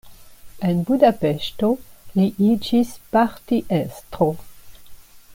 En Budapeŝto li iĝis partiestro.